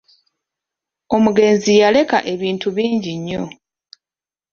Omugenzi yaleka ebintu bingi nnyo.